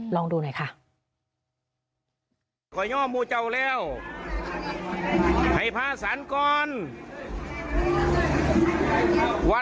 ลองดูหน่อยค่ะ